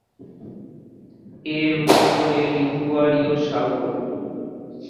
এর উত্তরে লিগুয়ারীয় সাগর।